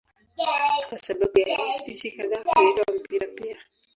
Kwa sababu ya hii spishi kadhaa huitwa mpira pia.